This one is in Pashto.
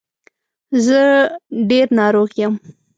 زه ډېر ناروغ یم.